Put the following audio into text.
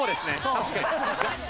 確かに。